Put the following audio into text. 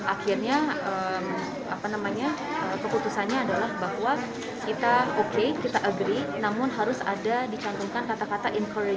akhirnya keputusannya adalah bahwa kita oke kita agree namun harus ada dicantumkan kata kata encourage